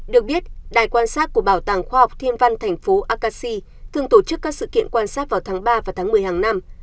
được biết đài quan sát của bảo tàng khoa học thiên văn thành phố akasi thường tổ chức các sự kiện quan sát vào tháng ba và tháng một mươi hàng năm